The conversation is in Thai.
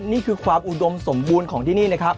นี่คือความอุดมสมบูรณ์ของที่นี่นะครับ